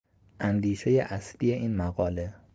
اندیشهی اصلی این مقاله